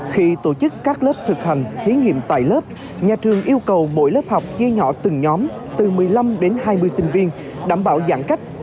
khi tổ chức các lớp thực hành thí nghiệm tại lớp nhà trường yêu cầu mỗi lớp học chia nhỏ từng nhóm từ một mươi năm đến hai mươi sinh viên đảm bảo giãn cách